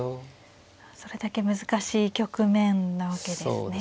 それだけ難しい局面なわけですね。